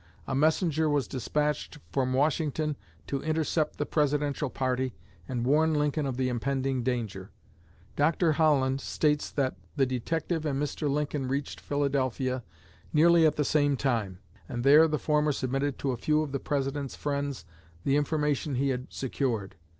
A messenger was despatched from Washington to intercept the Presidential party and warn Lincoln of the impending danger. Dr. Holland states that "the detective and Mr. Lincoln reached Philadelphia nearly at the same time, and there the former submitted to a few of the President's friends the information he had secured.